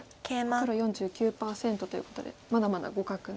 黒４９％ということでまだまだ互角の。